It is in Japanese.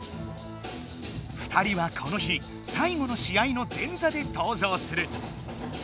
２人はこの日さい後のし合の前座でとう場する。